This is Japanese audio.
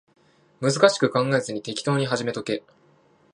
難しく考えずに適当に始めとけ